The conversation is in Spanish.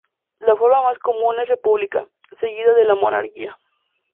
La forma más común es república, seguida de la monarquía.